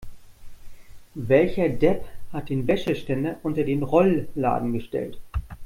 Welcher Depp hat den Wäscheständer unter den Rollladen gestellt?